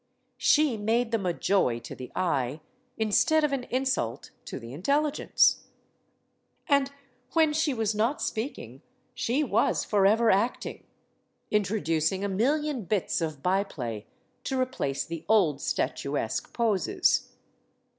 She made them a joy to the eye instead of an insult to the intelligence. And when she was not speaking, she was forever acting; intro ducing a million bits of byplay to replace the old statuesque poses.